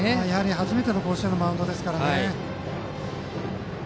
初めての甲子園のマウンドですからね。